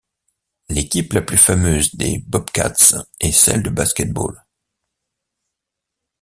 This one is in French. L'équipe la plus fameuse des Bobcats est celle de basket-ball.